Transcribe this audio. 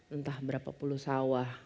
entah berapa puluh sawah